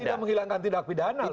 tidak menghilangkan tidak pidana loh